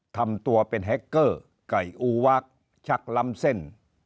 ทำตัวเป็นแฮคเกอร์ไก่อูวักชักล้ำเส้น